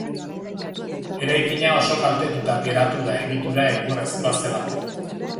Eraikina oso kaltetuta geratu da egitura egurrezkoa zelako.